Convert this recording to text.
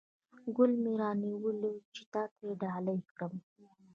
ګل مې را نیولی چې تاته یې ډالۍ کړم